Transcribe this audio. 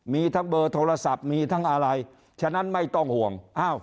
มีทั้งเบอร์โทรศัพท์มีทั้งอะไรฉะนั้นไม่ต้องห่วง